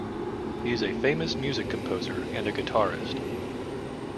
He is a famous music composer and a guitarist.